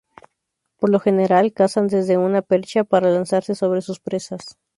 Por lo general, cazan desde una percha para lanzarse sobre sus presas.